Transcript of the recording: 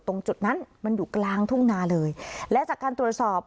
ตรงจุดนั้นมันอยู่กลางทุ่งนาเลยและจากการตรวจสอบ